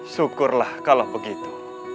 syukurlah kalau begitu